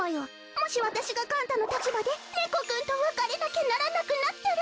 もし私がカン太の立場でねこくんと別れなきゃならなくなったら。